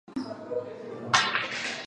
在欧美堪称旅行指南的代称。